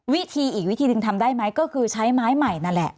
วิธีอีกวิธีหนึ่งทำได้ไหมก็คือใช้ไม้ใหม่นั่นแหละ